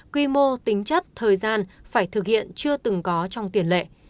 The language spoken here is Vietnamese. quy mô tính chất thời gian phải thực hiện chưa từng có trong tiền lệ